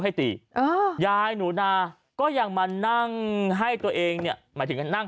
ให้ตียายหนูนาก็ยังมานั่งให้ตัวเองเนี่ยหมายถึงนั่ง